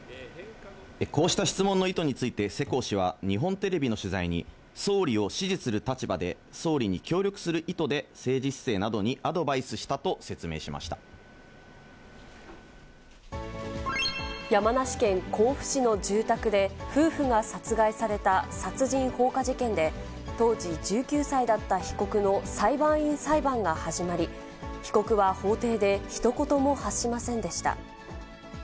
こうした質問の意図について世耕氏は日本テレビの取材に、総理を支持する立場で総理に協力する意図で政治姿勢などにアドバ山梨県甲府市の住宅で、夫婦が殺害された殺人放火事件で、当時１９歳だった被告の裁判員裁判が始まり、被告は法廷でひと言も発しませんでした。